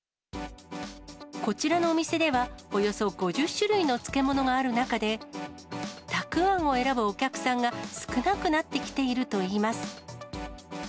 こちらのお店では、およそ５０種類の漬物がある中で、たくあんを選ぶお客さんが少なくなってきているといいます。